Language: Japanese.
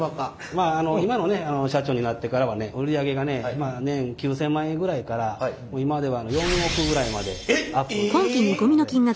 まあ今のね社長になってからはね売り上げがね年９，０００万円ぐらいから今では４億ぐらいまでアップしましたので。